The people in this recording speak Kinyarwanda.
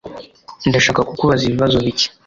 Ndashaka kukubaza ibibazo bike